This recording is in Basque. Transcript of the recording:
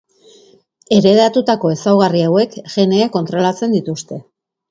Heredatutako ezaugarri hauek geneek kontrolatzen dituzte.